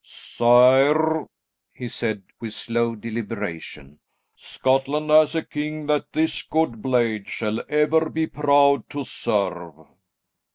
"Sire," he said, with slow deliberation, "Scotland has a king that this good blade shall ever be proud to serve."